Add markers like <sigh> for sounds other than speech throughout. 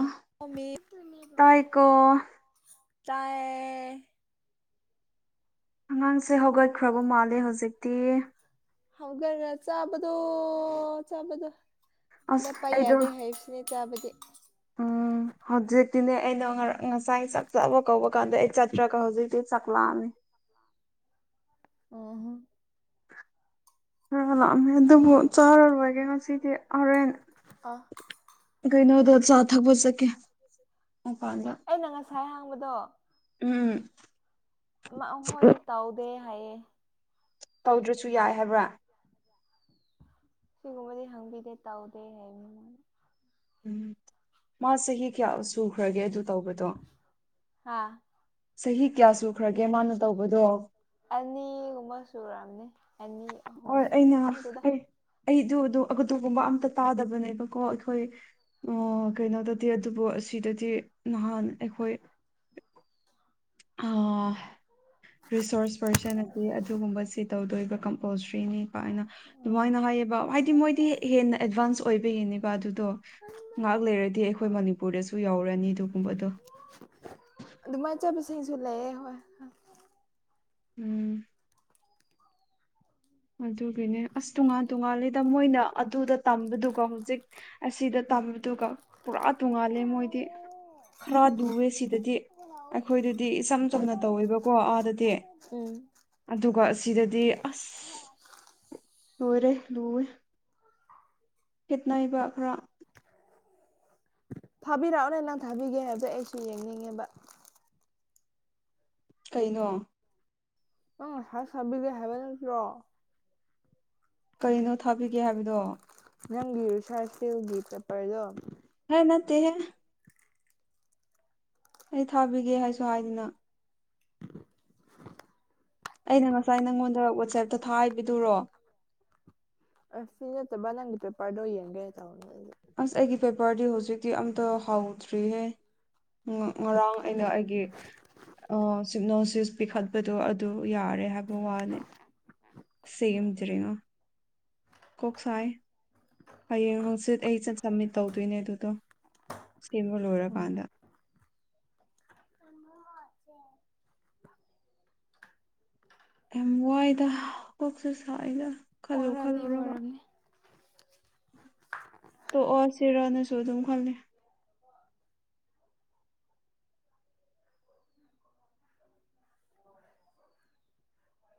ꯑ ꯇꯥꯏꯀꯣ <unintelligible> ꯆꯥꯏ ꯑꯉꯥꯡꯁꯦ ꯍꯧꯒꯠꯈ꯭ꯔꯕ ꯃꯥꯜꯂꯦ ꯍꯧꯖꯤꯛꯇꯤ ꯍꯧꯒꯔ ꯆꯥꯕꯗꯨ ꯆꯥꯕꯗꯨ ꯑꯁ ꯂꯄꯥꯏ ꯑꯩꯗꯣ ꯌꯥꯗꯦ ꯍꯥꯏꯁꯅꯤ ꯆꯕꯗꯤ ꯎꯝ ꯍꯧꯖꯤꯛꯇꯤꯅꯦ ꯑꯩꯅ ꯉꯔꯥꯡ ꯉꯁꯥꯏ ꯆꯞ ꯆꯥꯕ ꯀꯧꯕ <unintelligible> ꯆꯠꯇ꯭ꯔꯀ ꯍꯧꯖꯤꯛꯇ ꯆꯛꯂꯝꯃꯤ ꯑꯣꯍꯣ ꯈꯔ ꯂꯥꯛꯑꯝꯃꯦ ꯑꯗꯨꯕꯨ ꯆꯥꯔꯔꯣꯏꯒꯦ ꯉꯁꯤꯗꯤ ꯍꯣꯔꯦꯟ ꯑꯥ ꯀꯩꯅꯣꯗꯣ ꯆꯥ ꯊꯛꯄ ꯆꯠꯀꯦ ꯃꯄꯥꯟꯗ <unintelligible> ꯍꯥꯡꯕꯗꯣ ꯎꯝ ꯃꯥ ꯍꯣꯏꯗꯤ ꯇꯧꯗꯦ ꯍꯥꯏꯌꯦ ꯇꯧꯗ꯭ꯔꯁꯨ ꯌꯥꯏ ꯍꯥꯏꯕ꯭ꯔꯥ ꯁꯤꯒꯨꯝꯕꯗꯤ ꯍꯪꯕꯤꯗꯦ ꯇꯧꯗꯦ ꯍꯥꯏ ꯃꯥ ꯆꯍꯤ ꯀꯌꯥ ꯁꯨꯈ꯭ꯔꯒꯦ ꯑꯗꯨ ꯇꯧꯕꯗꯣ ꯍꯥ ꯆꯍꯤ ꯀꯌꯥ ꯁꯨꯈ꯭ꯔꯒꯦ ꯃꯥꯅ ꯇꯧꯕꯗꯣ ꯑꯅꯤꯒꯨꯝꯕ ꯁꯨꯔꯝꯅꯤ ꯑꯅꯤ ꯑꯍꯨꯝ ꯑꯣꯏ ꯑꯩꯅ ꯈꯪꯗꯦꯗ ꯑꯩ ꯑꯩꯗꯨ ꯑꯗꯨ ꯑꯗꯨꯗꯒꯨꯝꯕ ꯑꯝꯇ ꯇꯥꯗꯕꯅꯦꯕꯀꯣ ꯑꯩꯈꯣꯏ ꯑꯣ ꯀꯩꯅꯣꯗꯗꯤ ꯑꯗꯨꯕꯨ ꯑꯁꯤꯗꯗꯤ ꯅꯍꯥꯟ ꯑꯩꯈꯣꯏ ꯑꯥ ꯔꯤꯁꯣꯔꯁ ꯄꯔꯁꯟꯗꯤ ꯑꯗꯨꯒꯨꯝꯕꯁꯤ ꯇꯧꯗꯣꯏꯕ ꯑꯣꯁ꯭ꯔꯤꯅꯤ ꯄ ꯍꯥꯏꯅ ꯑꯥ ꯑꯗꯨꯃꯥꯏꯅ ꯍꯥꯏꯌꯦꯕ ꯍꯥꯏꯗꯤ ꯃꯣꯏ ꯍꯦꯟꯅ ꯑꯦꯗꯚꯥꯟꯁ ꯑꯣꯏꯕ ꯌꯦꯡꯅꯦꯕ ꯑꯗꯨꯗꯣ ꯉꯥꯏꯍꯥꯛ ꯂꯩꯔꯗꯤ ꯑꯩꯈꯣꯏ ꯑꯥ ꯃꯅꯤꯄꯨꯔꯗꯁꯨ ꯌꯥꯎꯔꯅꯤ ꯑꯗꯨꯒꯨꯝꯕꯗꯣ ꯑꯗꯨ ꯆꯠꯄꯁꯤ ꯁꯨ ꯂꯩꯌꯦ ꯍꯣꯏ ꯎꯝ ꯑꯗꯨꯒꯤꯅꯦ ꯑꯁ ꯇꯣꯉꯥꯟ ꯇꯣꯉꯥꯜꯂꯤꯗ ꯃꯣꯏꯅ ꯑꯗꯨꯗ ꯇꯝꯕꯗꯨꯒ ꯍꯧꯖꯤꯛ ꯑꯁꯤꯗ ꯇꯝꯕꯗꯨꯒ ꯄꯨꯔꯥ ꯇꯣꯡꯉꯥꯜꯂꯤ ꯃꯣꯏꯗꯤ ꯈꯔ ꯂꯨꯑꯦ ꯁꯤꯗꯗꯤ ꯑꯩꯈꯣꯏꯗꯨꯗꯤ ꯏꯆꯝ ꯆꯝꯅ ꯇꯧꯋꯦꯕꯀꯣ ꯑꯥꯗꯗꯤ ꯎꯝ ꯑꯗꯨꯒ ꯑꯁꯤꯗꯗꯤ ꯑꯁ ꯂꯣꯢꯔꯦ ꯂꯣꯏ <unintelligible> ꯈꯦꯠꯅꯥꯏꯕ ꯈꯔ ꯊꯥꯕꯤꯔꯛꯑꯣꯅ ꯅꯪ ꯊꯥꯕꯤꯒꯦ ꯍꯥꯏꯕꯁꯣ ꯑꯩꯁꯨ ꯌꯦꯡꯅꯤꯡꯉꯦꯕ ꯀꯩꯅꯣ <unintelligible> ꯁꯥꯕꯤꯒꯦ ꯍꯥꯏꯕ ꯅꯠꯇ꯭ꯔꯣ ꯀꯔꯤꯅꯣ ꯊꯥꯕꯤꯒꯦ ꯍꯥꯏꯕꯗꯣ ꯅꯪꯒꯤ ꯔꯨꯁꯥꯔ ꯁꯦꯜꯒꯤ ꯄꯦꯄꯔꯗꯣ ꯍ ꯅꯠꯇꯦꯍꯦ ꯑꯩ ꯊꯥꯕꯤꯒꯦ ꯍꯥꯏꯁꯨ ꯍꯥꯏꯗꯅ ꯑꯩꯅ ꯉꯁꯥꯏ ꯅꯪꯉꯣꯟꯗ ꯋꯥꯆꯦꯞꯇ ꯊꯥꯕꯤꯗꯨꯨꯔꯣ ꯑꯁꯤ ꯅꯠꯇꯕ ꯅꯤꯡꯒꯤ ꯄꯦ ꯄꯥꯗꯣꯌꯦꯒꯦ <unintelligible> ꯑꯁ ꯑꯩꯒꯤ ꯄꯦꯄꯔꯗꯤ ꯍꯧꯖꯤꯛꯇꯤ ꯑꯝꯇ ꯍꯥꯎꯗ꯭ꯔꯤꯍꯦ ꯉꯥ ꯉꯔꯥꯡ ꯑꯩꯅ ꯑꯩꯒꯤ ꯑꯣ ꯁꯤꯞꯅꯣꯁꯤꯁ ꯄꯤꯈꯠꯄꯗꯣ ꯑꯗꯨ ꯌꯥꯔꯦ ꯍꯥꯏꯕ ꯋꯥꯅꯤ ꯁꯦꯝꯗ꯭ꯔ‌ꯤ ꯉ‌ꯣ ꯀꯣꯛ ꯁꯥꯏ ꯍꯌꯦꯡ ꯍꯪꯆꯤꯠ ꯑꯩ ꯆꯠ ꯁꯕꯃꯤꯠ ꯇꯧꯗꯣꯏꯅꯦ ꯑꯗꯨꯗꯣ ꯁꯦꯝꯕ ꯂꯣꯏꯔꯀꯥꯟꯗ ꯀꯟꯕ ꯍꯧꯔꯛꯑꯁꯦ ꯌꯥꯝ ꯋꯥꯏꯗ ꯀ‌ꯣꯛꯁꯨ ꯁꯥꯏꯗ ꯈꯜꯂꯨ ꯑꯣꯏꯔꯝꯅꯤ ꯈꯜꯂꯨꯒ ꯑꯣꯏꯔꯝꯅꯤ ꯇꯣꯛꯑ ꯁꯤꯔꯅꯁꯨ ꯑꯗꯨꯝ ꯈꯜꯂꯤ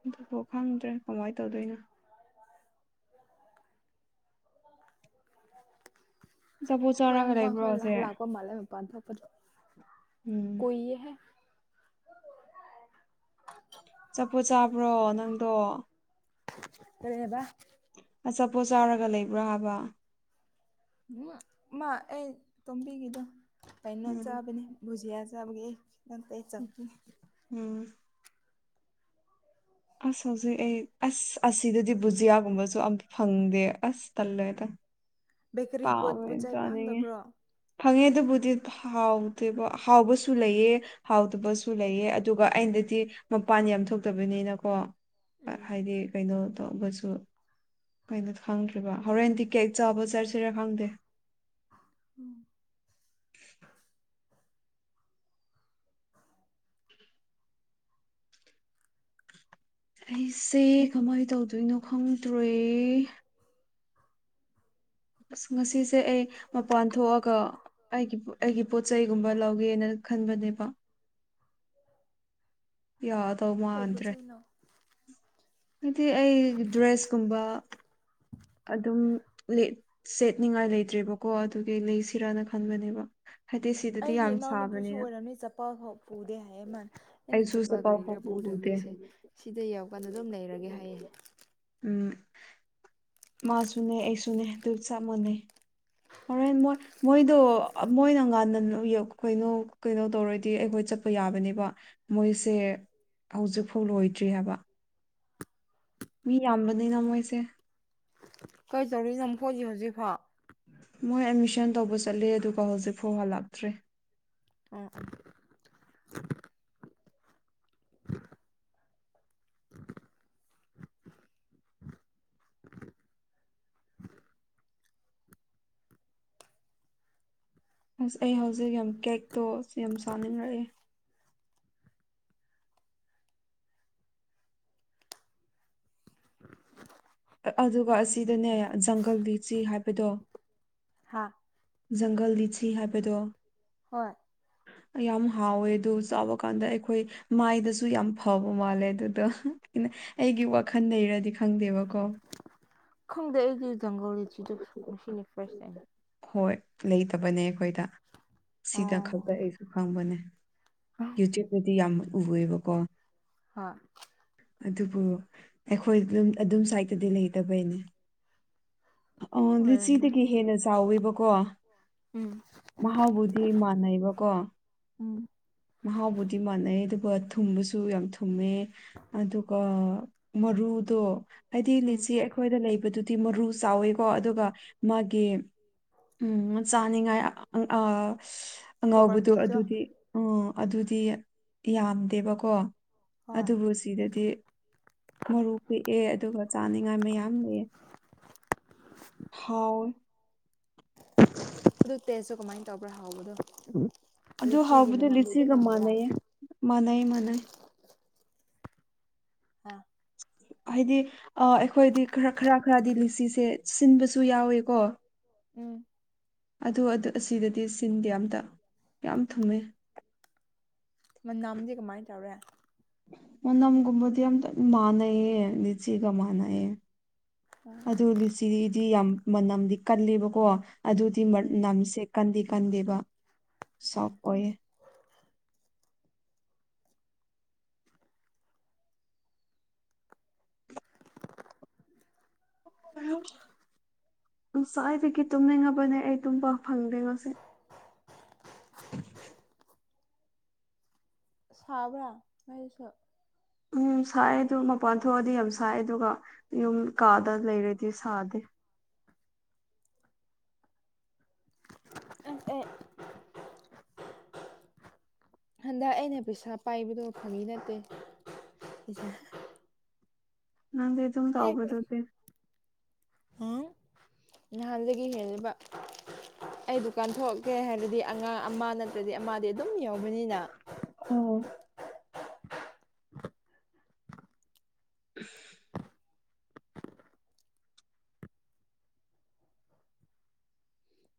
ꯑꯗꯨꯐꯥꯎ ꯈꯪꯗ꯭ꯔꯦ ꯀꯃꯥꯏꯅ ꯇꯧꯗꯣꯏꯅꯣ ꯑꯆꯥꯄꯣꯠ ꯈꯣꯏ ꯆꯥꯔꯒ ꯃꯃꯥ ꯂꯩꯕ꯭ꯔꯣ ꯈꯣꯏ ꯂ ꯍꯧꯖꯤꯛ ꯂꯥꯛꯄ ꯃꯥꯂꯦ ꯃꯄꯥꯟ ꯊ‌ꯣꯛꯄꯗ‌ꯣ ꯎꯝ ꯀꯨꯏ ꯍꯦ ꯑꯆꯄꯣꯠ ꯆꯥꯕ꯭ꯔꯣ ꯅꯪꯗꯣ ꯀꯔꯤ ꯍꯥꯏꯕ ꯑꯆꯥꯄꯣꯠ ꯆꯥꯎꯥꯔꯒ ꯂꯩꯕ꯭ꯔꯥ ꯍꯥꯏꯕ ꯎ ꯃꯥ ꯑꯩ ꯇꯣꯝꯕꯤꯒꯤꯗꯣ ꯀꯩꯅꯣ ꯎꯝ ꯆꯥꯕꯅꯦ ꯕꯨꯖꯤꯌꯥ ꯆꯥꯕꯒꯤ ꯑꯩ ꯅꯠꯇꯦ ꯆꯠ <unintelligible> ꯎꯝ ꯑꯁ ꯍꯧꯖꯤꯛ ꯑꯩ ꯑꯁ ꯑꯁꯤꯗꯗꯤ ꯕꯨꯖꯤꯌꯥꯒꯨꯝꯕꯁꯨ ꯑꯝꯇ ꯐꯪꯗꯦ ꯑꯁ ꯇꯜꯂꯦꯗ <unintelligible> ꯕꯦꯀꯔꯤ ꯄꯣꯠ ꯄꯣꯠꯆꯩ ꯆꯅꯤꯡꯉꯦ ꯐꯪꯗꯕ꯭ꯔꯣ ꯐꯪꯉꯦ ꯑꯗꯨꯕꯨꯗꯤ ꯍꯥꯎꯇꯦꯕ ꯍꯥꯎꯕꯁꯨ ꯂꯩꯌꯦ ꯍꯥꯎꯇꯕꯁꯨ ꯂꯩꯌꯦ ꯑꯗꯨꯒ ꯑꯩꯅꯗꯤ ꯃꯄꯥꯟ ꯌꯥꯝ ꯊꯣꯛꯇꯕꯅꯤꯅꯀꯣ ꯍꯣꯏ ꯎꯝ ꯍꯥꯏꯗꯤ ꯀꯩꯅꯣ ꯇꯧꯕꯁꯨ ꯀꯩꯅꯣ ꯈꯪꯗ꯭ꯔꯤꯕ ꯍꯣꯔꯦꯟꯗꯤ ꯀꯦꯛ ꯆꯥꯕ ꯆꯠꯁꯤꯔꯦꯥ ꯈꯪꯗꯦ ꯎꯝ ꯑꯩꯁꯦ ꯀꯃꯥꯏꯅ ꯇꯧꯗꯣꯏꯅꯣ ꯈꯪꯗ꯭ꯔꯦ ꯑꯁ ꯉꯁꯤ ꯁꯦ ꯑꯩ ꯃꯄꯥꯟ ꯊꯣꯛꯑꯒ ꯑꯩꯒꯤ ꯑꯩꯒꯤ ꯄꯣꯠꯆꯩꯒꯨꯝꯕ ꯂꯧꯒꯦꯅ ꯈꯟꯕꯅꯦꯕ ꯌꯥꯗꯧ ꯃꯥꯟꯗ꯭ꯔꯦ ꯀꯤꯅꯣ ꯑꯗꯨꯗꯤ ꯑꯩ ꯗ꯭ꯔꯦꯁꯀꯨꯝꯕ ꯑꯗꯨꯝ ꯁꯦꯠꯅꯤꯡꯉꯥꯏ ꯂꯩꯇ꯭ꯔꯦꯕꯀꯣ ꯑꯗꯨꯒꯤ ꯂꯩꯁꯤꯔꯥꯅ ꯈꯟꯕꯅꯦꯕ ꯍꯥꯏꯗꯤ ꯁꯤꯗꯗꯤ ꯑꯩꯒꯤ ꯌꯥꯝ ꯏꯅꯥꯎꯅꯨꯄꯤꯁꯨ ꯁꯥꯕꯅꯤꯅ ꯑꯣꯏꯔꯝꯃꯤ ꯆꯄꯜ ꯐꯥꯎ ꯄꯨꯗꯦ ꯍꯥꯏꯌꯦ ꯃꯥꯅ ꯑꯩꯅ ꯑꯩꯁꯨ ꯆꯠꯜ ꯆꯄꯜ ꯀꯔꯤ ꯐꯥꯎ ꯒꯤꯔꯥ ꯄꯨ ꯄꯨꯗꯦ ꯄꯨꯗꯕꯁꯦ ꯁꯤꯗ ꯌꯥꯎꯀꯥꯟꯗ ꯑꯗꯨꯝ ꯂꯩꯔꯒꯦ ꯍꯥꯏꯌꯦ ꯎꯝ ꯃꯥꯁꯨꯅꯦ ꯑꯩꯁꯨꯅꯦ ꯇꯨ ꯆꯞ ꯃꯥꯟꯅꯩ ꯍ‌ꯣꯔꯦꯟ ꯃꯣꯏ ꯃꯣꯏꯗꯣ ꯃꯣꯏꯅ ꯉꯟꯅ ꯀꯩꯅꯣ ꯀꯩꯅꯣ ꯇꯧꯔꯗꯤ ꯑꯩꯈꯣꯏ ꯆꯠꯄ ꯌꯥꯕꯅꯦꯕ ꯃꯣꯏꯁꯦ ꯍꯧꯖꯤꯛꯐꯥꯎ ꯂꯣꯏꯗ꯭ꯔꯤ ꯍꯥꯏꯕ ꯃꯤ ꯌꯥꯝꯕꯅꯤꯅ ꯃꯣꯏꯁꯦ ꯀꯩ ꯇꯧꯔꯤꯅ‌ꯣ ꯃꯈ‌ꯣꯏꯗꯤ ꯍꯧꯖꯤꯛꯐꯥꯎ ꯃꯣꯏ ꯑꯦꯠꯃꯤꯁꯟ ꯇꯧꯕ ꯆꯠꯂꯦ ꯑꯗꯨꯒ ꯍꯧꯖꯤꯛ ꯐꯥꯎ ꯍꯜꯂꯛꯇ꯭ꯔꯦ ꯑꯣ <inaudible> <inaudible> ꯑꯁ ꯑꯩ ꯍꯧꯖꯤꯛ ꯌꯥꯝ ꯀꯦꯛꯇꯣ ꯌꯥꯝ ꯆꯥꯅꯤꯡꯔꯛꯑꯦ ꯑꯗꯨꯒ ꯑꯁꯤꯗꯅꯦ ꯖꯪꯒꯜ ꯂꯤꯁꯤ ꯍꯥꯏꯕꯗꯣ ꯍꯥꯥ ꯖꯪꯒꯜ ꯂꯤꯁꯤ ꯍꯥꯏꯕꯗꯣ ꯍꯣꯏ ꯑ ꯌꯥꯝ ꯍꯥꯎꯋꯦ ꯑꯗꯨ ꯆꯥꯕ ꯀꯥꯟꯗ ꯑꯩꯈꯣꯏ ꯃꯥꯏꯗꯁꯨ ꯌꯥꯝ ꯐꯕ ꯃꯥꯜꯂꯦ ꯑꯗꯨꯗ‌ꯣ ꯑꯩꯒꯤ ꯋꯥꯈꯜ ꯗꯩꯔꯗꯤ ꯈꯪꯗꯦꯕꯀꯣ ꯈꯪꯗꯦ ꯑꯩꯗꯤ ꯖꯪꯒꯜ ꯂꯤꯁꯤꯗ‌ꯣ ꯉꯁꯤꯅ ꯐꯥꯔꯁ ꯇꯥ꯭ꯏꯝ ꯍꯣꯏ ꯂꯩꯇꯕꯅꯦ ꯑꯩꯈꯣꯏꯗ ꯁꯤꯗ ꯑꯣ ꯈꯛꯇ ꯑꯩꯁꯨ ꯈꯪꯕꯅꯦ ꯍꯣꯏ ꯐ꯭ꯌꯨꯇ꯭ꯌꯨꯞꯇꯗꯤ ꯌꯥꯝ ꯎꯌ‌ꯦꯕꯀꯣ ꯍ‌ꯣꯏ ꯑꯗꯨꯕꯨ ꯑꯩꯈꯣꯏ ꯑꯗꯨꯝ ꯁꯥꯏꯠꯇꯗꯤ ꯂꯩꯇꯕꯩꯅꯦ ꯑ ꯑꯣꯏꯔꯝꯅꯤ ꯂꯤꯆꯤꯗꯒꯤ ꯍꯦꯟꯅ ꯆꯥꯎꯋꯦꯕꯀꯣ ꯎꯝ ꯃꯍꯥꯎꯕꯨꯗꯤ ꯃꯥꯟꯅꯩꯕꯀꯣ ꯎꯝ ꯃꯍꯥꯎꯕꯨꯗꯤ ꯃꯥꯟꯅꯩ ꯑꯗꯨꯒ ꯊꯨꯝꯕꯁꯨ ꯌꯥꯝ ꯊꯨꯝꯃꯦ ꯑꯗꯨꯒ ꯃꯔꯨꯗꯣ ꯍꯥꯏꯗꯤ ꯎꯝ ꯂꯤꯆꯤ ꯑꯩꯣꯏꯗ ꯂꯩꯕꯗꯨꯗꯤ ꯃꯔꯨ ꯆꯥꯎꯋꯤꯀꯣ ꯑꯗꯨꯒ ꯃꯥꯒꯤ ꯎꯝ ꯆꯥꯅꯤꯡꯉꯥꯏ ꯀꯣꯕꯔ ꯑꯉꯥꯎꯕꯗꯣ ꯄꯦꯁꯇꯣ ꯑꯗꯨꯗꯤ ꯑꯣ ꯑꯗꯨꯗꯤ ꯌꯥꯝꯗꯦꯕꯀꯣ ꯍꯣꯏ ꯑꯗꯨꯕꯨ ꯁꯤꯗꯗꯤ ꯃꯔꯨ ꯄꯤꯛꯑꯦ ꯑꯗꯨꯒ ꯆꯥꯅꯤꯡꯉꯥꯏ ꯃꯌꯥꯝ ꯂꯩꯑꯦ ꯍꯥꯎꯌ‌ꯦ ꯑꯗꯨ ꯇꯦꯁꯇꯨ ꯀꯃꯥꯏꯅ ꯇꯧꯕ꯭ꯔꯥ ꯍꯥꯎꯕꯗꯣ ꯑꯗꯨ ꯂꯤꯆꯤꯒꯤ ꯍꯥꯎꯕꯗꯤ ꯃꯅꯝꯗꯤ ꯑꯗꯨꯝ ꯂꯤꯆꯤꯒ ꯅꯝꯕ꯭ꯔꯥ ꯃꯥꯟꯅꯩꯌꯦ ꯃꯥꯟꯅꯩ ꯃꯥꯟꯅꯩ ꯍꯥꯥ ꯍꯥꯏꯗꯤ ꯑ ꯑꯩꯈꯣꯏꯗꯤꯔ ꯈꯔ ꯈꯔꯗꯤ ꯂꯤꯆꯤꯁꯦ ꯁꯤꯟꯕꯁꯨ ꯌꯥꯎꯋꯦꯀꯣ ꯎꯝ ꯑꯗꯨ ꯑꯁꯤꯗꯗꯤ ꯁꯤꯟꯗꯤ ꯑꯇ ꯌꯥꯝ ꯊꯨꯝꯃꯦ ꯃꯅꯥꯝꯁꯦ ꯀꯃꯥꯏꯅ ꯇꯧꯔꯦ ꯃꯝꯒꯨꯝꯕꯗꯤ ꯌꯥꯝ ꯃꯥꯅꯌꯦ ꯅꯅꯤꯆꯤꯒ ꯃꯥꯅꯑꯦ ꯑꯗꯨ ꯂꯤꯁꯤꯗꯤ ꯌꯥꯝ ꯃꯅꯝꯗꯤ ꯀꯂꯕꯀꯣ ꯑꯗꯨ ꯁꯤ ꯎꯝ ꯅꯝꯁꯦ ꯀꯟꯗꯤꯦ ꯀꯟꯗꯦꯕ ꯎꯝ ꯁꯣꯐ ꯑꯣꯏꯌꯦ ꯁ꯭ꯋꯥꯏꯗꯒꯤ ꯇꯨꯝꯅꯤꯡꯉꯕꯅꯦ ꯑꯩ ꯇꯨꯝꯕ ꯐꯪꯗꯦ ꯉꯣꯁꯦ ꯁꯕ꯭ꯔꯥ ꯃꯁꯨ ꯎꯝ ꯁꯥꯏ ꯑꯗꯨ ꯃꯄꯥꯟ ꯊꯣꯛꯑꯗꯤ ꯌꯥꯝ ꯁꯥꯏ ꯑꯗꯨꯒ ꯌꯨꯝ ꯀꯥꯗ ꯂꯩꯔꯗꯤ ꯁꯥꯗꯦ ꯑꯦ <inaudible> ꯍꯟꯗꯛ ꯑꯩꯅ ꯄꯩꯁꯥ ꯄꯥꯏꯕꯗꯣ ꯐꯪꯉꯤ ꯅꯠꯇꯦ ꯅꯪ ꯍꯦꯛ <inaudible> ꯅꯍꯥꯟꯗꯒꯤ ꯍꯦꯜꯂꯤꯕ ꯑꯩ ꯗꯨꯀꯥꯟ ꯊꯣꯛꯂꯀꯦ ꯍꯥꯏꯔꯗꯤ ꯑꯉꯥꯡ ꯑꯃ ꯅꯠꯇ꯭ꯔꯗꯤ ꯑꯃꯗꯤ ꯑꯗꯨꯝ ꯌꯎꯧꯕꯅꯤꯅ ꯑꯣ ꯎꯝ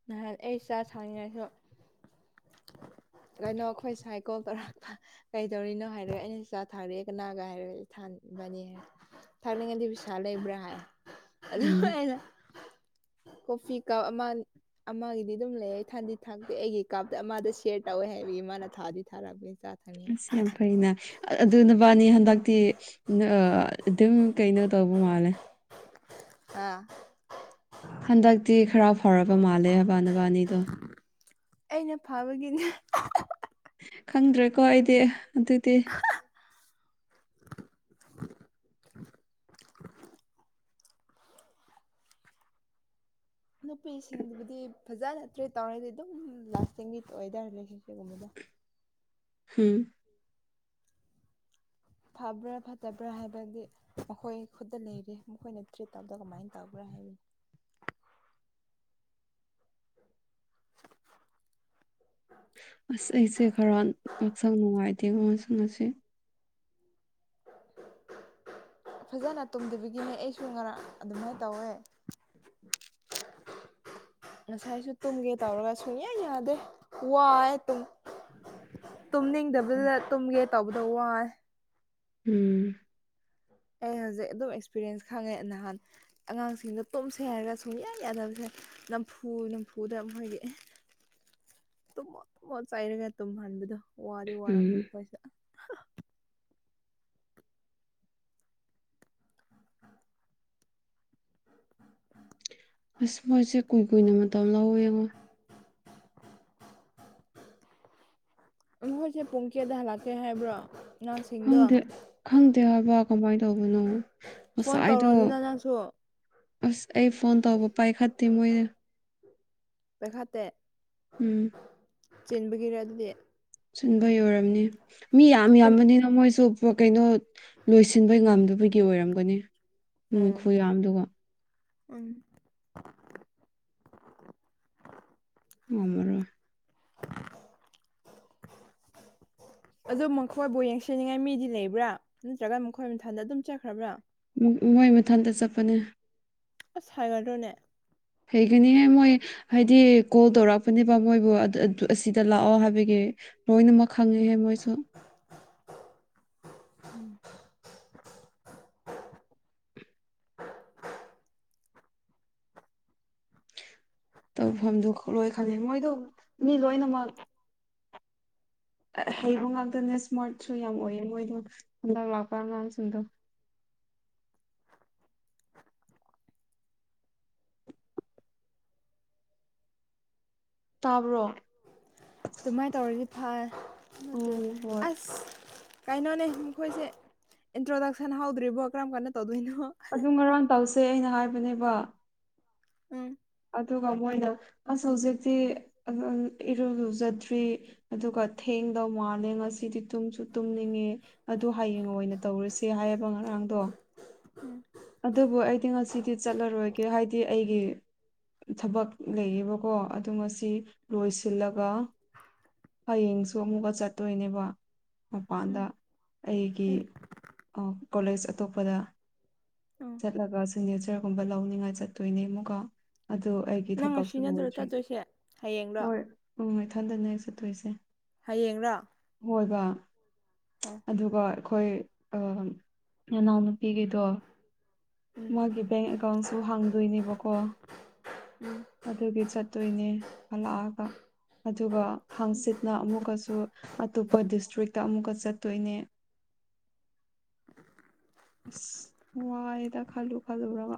ꯅꯍꯥꯟ ꯑꯩ ꯆꯥꯛ ꯁꯥꯡꯅꯤꯡꯉꯥꯏꯁꯨ <inaudible> ꯂꯅꯣ ꯑꯩꯈꯣꯏ ꯁꯥꯏꯀꯣꯜ ꯇꯧꯔꯛꯄ ꯀꯩꯗꯧꯔꯤꯅꯣ ꯍꯥꯏꯔꯣ ꯑꯩꯅ ꯆ ꯆꯥ ꯊꯥꯔꯛꯑꯦ ꯀꯅꯥꯒ ꯍꯥꯏꯔꯣ ꯊꯥꯟꯕꯅꯤ ꯊꯥꯛꯅꯤꯡꯉꯗꯤ ꯄꯩꯁꯥ ꯂꯩꯕ꯭ꯔꯥ ꯍꯥꯏ ꯑꯗꯨ ꯎꯝ ꯑꯩꯅ ꯀꯣꯐꯤ ꯀꯞ ꯑꯃ ꯑꯃꯒꯤꯗꯤ ꯑꯗꯨꯝ ꯂꯩ ꯊꯟꯗꯤ ꯊꯥꯛꯇꯤ ꯑꯩꯒꯤ ꯀꯥꯞꯇ ꯑꯃꯗꯦꯌꯔ ꯇꯧꯋꯦ ꯍꯥꯏꯕꯤ ꯃꯥꯅ ꯊꯥꯗꯤ ꯊꯥꯔꯛꯄ ꯑꯁ ꯌꯥꯝ ꯐꯩꯅꯦ ꯑꯗꯨꯅꯕꯥꯅꯤ ꯍꯟꯗꯛꯇꯤ ꯑꯗꯨꯝ ꯀꯩꯅꯣ ꯇꯧꯕ ꯃꯥꯜꯂꯦ ꯑꯥ ꯍꯟꯗꯛꯇꯤ ꯈꯔ ꯐꯥꯎꯔꯕ ꯃꯥꯜꯂꯦ ꯍꯕꯥꯅꯕꯅꯤꯗꯣ ꯑꯩꯅ ꯐꯥꯕꯒꯤꯅꯦ ꯈꯪꯗ꯭ꯔꯦꯀꯣ ꯑꯩꯗꯤ ꯑꯗꯨꯗꯤ ꯅꯨꯄꯤꯁꯤꯡꯗꯨꯕꯨꯗꯤ ꯐꯖꯅ ꯇ꯭ꯔꯦꯠ ꯇꯧꯔꯗꯤ ꯑꯗꯨꯝ ꯂꯥꯁꯇꯤꯡꯒꯤ ꯑꯣꯏꯇꯥꯔꯦ ꯔꯤꯂꯦꯁꯟꯁꯤꯞꯀꯨꯝꯕꯗ ꯍꯝ ꯐꯕ꯭ꯔꯥ ꯐꯠꯇꯕ꯭ꯔꯥ ꯍꯥꯏꯕꯗꯤ ꯃꯈꯣꯏ ꯈꯨꯠꯇ ꯂꯩꯔꯤ ꯃꯈꯣꯏꯅ ꯇ꯭ꯔꯤꯠ ꯇꯧꯕꯗ ꯀꯃꯥꯏꯅ ꯇꯧꯕ꯭ꯔꯥ ꯍꯥꯏꯕꯅꯤ <unintelligible> ꯑꯁ ꯑꯩꯁꯦ ꯈꯔ ꯉꯛꯁꯥꯡ ꯅꯨꯡꯉꯥꯏꯇꯦ ꯉꯁꯤ <unintelligible> ꯐꯖꯅ ꯇꯨꯝꯗꯕꯤꯒꯤꯅꯦ ꯑꯩꯁꯨ ꯉꯔꯥꯡ ꯑꯗꯨꯃꯥꯏꯅ ꯇꯧꯋꯦ <unintelligible> ꯉꯁꯥꯏꯁꯨ ꯇꯨꯝꯒꯦ ꯇꯧꯔꯒ ꯁꯨꯡꯌꯥ ꯌꯥꯗꯦ ꯋꯥꯌꯦ ꯇꯨꯝ ꯇꯨꯝꯅꯤꯡꯗꯕꯗ ꯇꯨꯝꯒꯦ ꯇꯧꯕꯗꯣ ꯋꯥꯢ ꯎꯝ ꯑꯩ ꯍꯧꯖꯤꯛ ꯑꯗꯨꯝ ꯑꯦꯛꯁꯄꯤꯔꯤꯌꯦꯟꯁ ꯈꯪꯉꯦ ꯅꯍꯥꯟ ꯑꯉꯥꯡꯁꯤꯡꯗꯣ ꯇꯨꯝꯁꯦ ꯍꯥꯏꯔꯒ ꯁꯨꯡꯌꯥ ꯌꯥꯗꯕꯅꯦ ꯅꯝꯐꯨ ꯅꯝꯐꯨꯗ ꯃꯣꯏꯒꯤ ꯇꯨꯝꯃꯣ ꯇꯨꯝꯃꯣ ꯆꯩꯔꯒ ꯇꯨꯝꯍꯟꯕꯗꯣ ꯋꯥꯗꯤ ꯋꯥꯔꯕꯅꯤ ꯎꯝ ꯃꯈꯣꯏꯁꯦ ꯑꯁ ꯃꯣꯏꯁꯦ ꯀꯨꯏ ꯀꯨꯏꯅ ꯃꯇꯝ ꯂꯧꯋꯦꯕꯣ <inaudible> ꯅꯈꯣꯏꯁꯦ ꯄꯨꯡ ꯀꯌꯥꯗ ꯍꯜꯂꯛꯀꯦ ꯍꯥꯏꯕ꯭ꯔꯣ ꯑꯉꯥꯡꯁꯤꯡꯗꯣ ꯈꯪꯗꯦ ꯈꯪꯗꯦ ꯍꯥꯏꯕ ꯀꯃꯥꯏꯅ ꯇꯧꯕꯅꯣ ꯐꯣꯟ ꯉꯁꯥꯏꯗꯣ ꯇꯧꯔꯣꯗꯅ ꯅꯪꯁꯨ ꯑꯁ ꯑꯩ ꯐꯣꯟ ꯇꯧꯕ ꯄꯥꯏꯈꯠꯇꯦ ꯃꯣꯏꯅ ꯄꯥꯢꯈꯠꯇꯦ ꯎꯝ ꯆꯦꯟꯕꯒꯤꯔ ꯑꯗꯨꯗꯤ ꯁꯤꯟꯕ ꯌꯣꯏꯔꯝꯅꯤ ꯃꯤ ꯌꯥꯝ ꯀꯟ ꯌꯥꯝꯕꯅꯤꯅ ꯃꯣꯏꯁꯨ ꯀꯩꯅꯣ ꯂꯣꯏꯁꯤꯟꯕ ꯉꯝꯗꯕꯒꯤ ꯑꯣꯏꯔꯝꯒꯅꯤ ꯃꯤ ꯎꯝ ꯈꯨꯌꯥꯝꯗꯨꯒ ꯎꯝ ꯉꯝꯃꯔꯣꯏ ꯑꯗꯨꯝ ꯃꯈꯣꯏꯕꯨ ꯌꯦꯡꯁꯟꯅꯤꯡꯉꯥꯏ ꯃꯤꯗꯤ ꯂꯩꯕ꯭ꯔꯥ ꯅꯠꯇ꯭ꯔꯒꯅ ꯃꯈꯣꯏ ꯃꯊꯟꯗ ꯑꯗꯨꯝ ꯆꯠꯈ꯭ꯔꯕ꯭ꯔꯥ ꯃꯣꯏ ꯃꯊꯟꯇ ꯆꯠꯄꯅꯦ ꯑꯁ ꯍꯩꯒꯥꯗꯔꯣꯅꯦ ꯍꯩꯒꯅꯤꯍꯦ ꯃꯣꯏ ꯍꯥꯏꯗꯤ ꯀꯣꯜ ꯇꯧꯔꯛꯄꯅꯦꯕ ꯃꯣꯏꯕꯨ ꯑꯁꯤꯗ ꯂꯥꯛꯑꯣ ꯍꯥꯏꯕꯒꯤ ꯂꯣꯏꯅꯃꯛ ꯈꯪꯉꯦꯍꯦ ꯃꯣꯏꯁꯨ ꯎꯝ ꯇꯧꯐꯝꯗꯨ ꯂꯣꯏ ꯈꯜꯂꯦ ꯃꯣꯏꯗꯣ ꯃꯤ ꯂꯣꯏꯅꯃꯛ ꯍꯩꯕ ꯉꯥꯛꯇꯅꯦ ꯏꯁꯃꯥꯔꯠꯁꯨ ꯌꯥꯝ ꯑꯣꯏꯌꯦ ꯃꯣꯏꯗ ꯍꯟꯗꯛ ꯂꯥꯛꯄ ꯑꯉꯥꯡꯁꯤꯡꯗꯣ ꯇꯥꯕ꯭ꯔꯣ ꯑꯗꯨꯃꯥꯏꯅ ꯇꯧꯔꯗꯤ ꯐꯩ ꯑꯗꯨ ꯎꯝ ꯍꯣꯏ ꯑꯁ ꯀꯩꯅꯣꯅꯦ ꯃꯈꯣꯏꯁꯦ ꯏꯟꯇ꯭ꯔꯣꯗꯛꯁꯟ ꯍꯧꯗ꯭ꯔꯤꯕꯣ ꯀꯔꯝ ꯀꯥꯟ ꯇꯧꯗꯣꯏꯅꯣ ꯑꯗꯨꯨꯝ ꯉꯔꯥꯡ ꯇꯧꯁꯦ ꯑꯩꯅ ꯍꯥꯏꯕꯅꯦꯕ ꯎꯝ ꯑꯗꯨꯒ ꯃꯣꯏꯅ ꯑꯁ ꯍꯧꯖꯤꯛꯇꯤ ꯏꯔꯨ ꯂꯨꯖꯗ꯭ꯔꯤ ꯑꯗꯨꯒ ꯊꯦꯡꯗꯧ ꯃꯥꯜꯂꯦ ꯉꯁꯤꯗꯤ ꯇꯨꯝꯁꯨ ꯇꯨꯝꯅꯤꯡꯉꯦ ꯑꯗꯨ ꯍꯌꯦꯡ ꯑꯣꯏꯅ ꯇꯧꯔꯁꯦ ꯍꯥꯏꯌꯦꯕ ꯉꯔꯥꯡꯗꯣ ꯎꯝ ꯑꯗꯨꯕꯨ ꯑꯩꯗꯤ ꯉꯁꯤꯗꯤ ꯆꯠꯂꯔꯣꯏꯒꯦ ꯍꯥꯏꯗꯤ ꯑꯩꯒꯤ ꯊꯕꯛ ꯂꯩꯌꯦꯕꯀꯣ ꯑꯗꯨ ꯃꯁꯤ ꯂꯣꯏꯁꯤꯜꯂꯒ ꯍꯌꯦꯡꯁꯨ ꯑꯃꯨꯛꯀ ꯆꯠꯇꯣꯏꯅꯦꯕ ꯃꯄꯥꯟꯗ ꯎꯝ ꯑꯩꯒꯤ ꯎꯝ ꯀꯣꯂꯦꯖ ꯑꯇꯣꯞꯄꯗ ꯑꯝ ꯆꯠꯂꯒ ꯁꯤꯒꯅꯦꯆꯔꯒꯨꯝꯕ ꯂꯧꯅꯤꯡꯉꯥꯏ ꯆꯠꯇꯣꯏꯅꯦ ꯑꯃꯨꯛꯒ ꯑꯣ ꯑꯩꯒꯤ ꯅꯪ ꯉꯁꯤ ꯊꯕꯛꯁꯨ ꯅꯠꯇ꯭ꯔꯣ ꯂꯣꯏꯗ꯭ꯔꯤ ꯆꯠꯇꯣꯏꯁꯦ ꯍꯌꯦꯡꯔꯣ ꯍꯣꯏ ꯎꯝ ꯏꯊꯟꯗꯅꯦ ꯑꯩ ꯆꯠꯇꯣꯏꯁꯦ ꯍꯌꯦꯡꯂ ꯍꯣꯏꯕ ꯑꯗꯨꯒ ꯑꯩꯈꯣꯏ ꯏꯅꯥꯎꯅꯨꯄꯤꯈꯩꯗꯣ ꯎꯝ ꯃꯥꯒꯤ ꯕꯦꯡ ꯑꯦꯀꯥꯎꯟꯁꯨ ꯍꯥꯡꯗꯣꯏꯅꯦꯕꯀꯣ ꯎꯝ ꯑꯗꯨꯒꯤ ꯆꯠꯇꯣꯏꯅꯦ ꯍꯜꯂꯛꯑꯒ ꯑꯗꯨꯒ ꯍꯥꯡꯆꯤꯠꯅ ꯑꯃꯨꯛꯀꯁꯨ ꯑꯇꯣꯞꯄ ꯗꯤꯁꯇ꯭ꯔꯤꯛꯇ ꯑꯃꯨꯛꯀ ꯆꯠꯇꯣꯏꯅꯦ ꯑꯁ ꯋꯥꯌꯦꯗ ꯈꯜꯂꯨ ꯈꯜꯂꯨꯒ